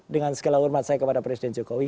dengan segala hormat saya kepada presiden jokowi